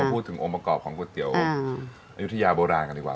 พูดถึงองค์ประกอบของก๋วยเตี๋ยวอายุทยาโบราณกันดีกว่า